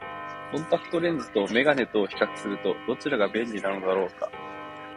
コンタクトレンズと眼鏡とを比較すると、どちらが便利なのだろうか。